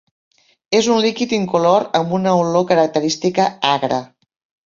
És un líquid incolor amb una olor característica agra.